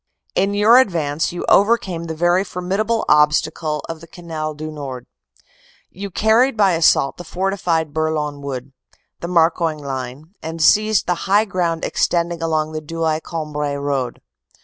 "In your advance you overcame the very formidable ob stacle of the Canal du Nord ; you carried by assault the forti fied Bourlon Wood, the Marcoing line, and seized the high ground extending along the Douai Cambrai road.